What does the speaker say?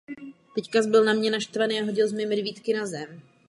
Další zástupci dosáhli pozic jako ministr zahraničí a biskup.